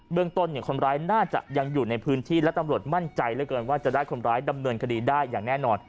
เรื่องต้นคนร้ายน่าจะยังอยู่ในพื้นที่และตำรวจมั่นใจเหลือเกินว่าจะได้คนร้ายดำเนินคดีได้อย่างแน่นอน